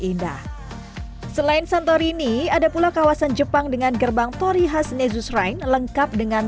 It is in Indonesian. indah selain santorini ada pula kawasan jepang dengan gerbang tori khas nesus ryne lengkap dengan